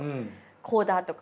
こうだとか。